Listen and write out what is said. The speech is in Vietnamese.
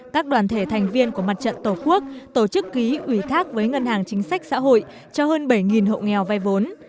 các đoàn thể thành viên của mặt trận tổ quốc tổ chức ký ủy thác với ngân hàng chính sách xã hội cho hơn bảy hộ nghèo vai vốn